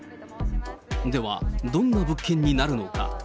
では、どんな物件になるのか。